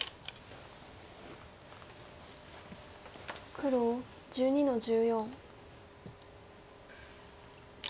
黒１２の十四。